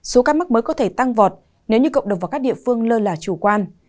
số ca mắc mới có thể tăng vọt nếu như cộng đồng và các địa phương lơ là chủ quan